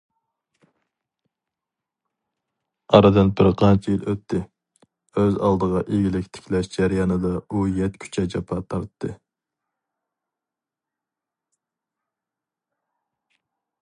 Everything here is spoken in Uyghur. ئارىدىن بىر قانچە يىل ئۆتتى، ئۆز ئالدىغا ئىگىلىك تىكلەش جەريانىدا ئۇ يەتكۈچە جاپا تارتتى.